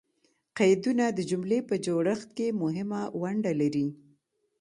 قیدونه د جملې په جوړښت کښي مهمه ونډه لري.